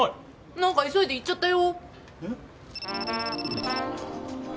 なんか急いで行っちゃったよ。